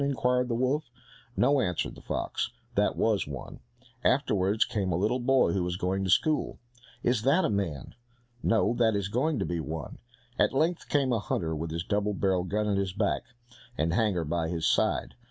inquired the wolf. "No," answered the fox, "that was one." Afterwards came a little boy who was going to school. "Is that a man?" "No, that is going to be one." At length came a hunter with his double barrelled gun at his back, and hanger by his side.